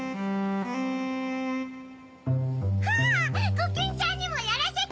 コキンちゃんにもやらせて！